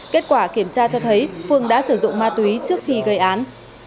kết quả kiểm tra cho thấy phương đã sử dụng ma túy trước khi gây án